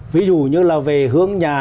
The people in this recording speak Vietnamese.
ví dụ như là về hướng nhà